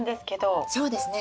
そうですね。